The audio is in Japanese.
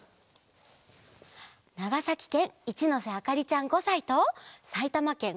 ながさきけんいちのせあかりちゃん５さいとさいたまけん